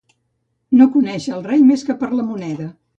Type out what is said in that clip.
No conéixer el rei més que per la moneda.